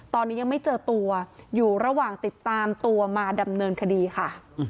ตอนนี้ยังไม่เจอตัวอยู่ระหว่างติดตามตัวมาดำเนินคดีค่ะ